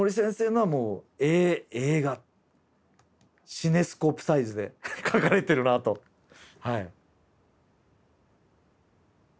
シネスコープサイズで描かれてるなとはい。